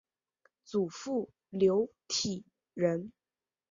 祖父刘体仁。